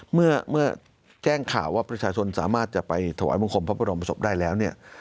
เมื่อแจ้งข่าวว่าประชาชนสามารถจะไปถวายบังคมพระบรมศพได้แล้วเนี่ย